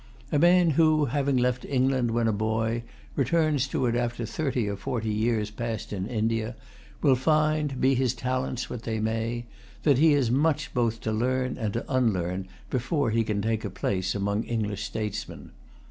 A man who, having left England when a boy, returns to it after thirty or forty years passed in India, will find, be his talents what they may, that he has much both to learn and to unlearn before he can take a place among English statesmen.